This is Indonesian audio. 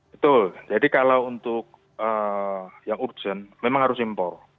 betul jadi kalau untuk yang urgent memang harus impor